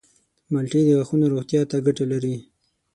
مالټې د غاښونو روغتیا ته ګټه لري.